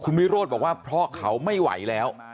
วิโรธบอกว่าเพราะเขาไม่ไหวแล้ว